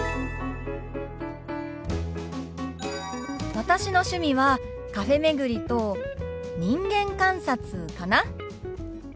私の趣味はカフェ巡りと人間観察かな。